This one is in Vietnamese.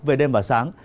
về đêm và sáng